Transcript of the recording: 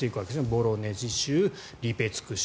ボロネジ州、リペツク州。